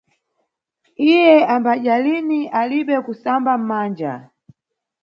Iye ambadya lini alibe kusamba manja.